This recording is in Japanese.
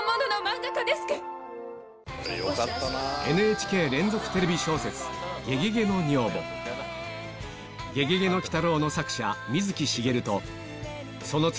松下を連続テレビ小説『ゲゲゲの鬼太郎』の作者水木しげるとその妻